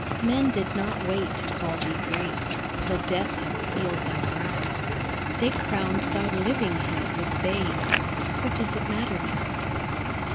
Men did not wait to call thee great Till death had sealed thy brow. They crowned thy living head with bays ; What does it matter now